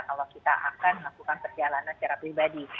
kalau kita akan melakukan perjalanan secara pribadi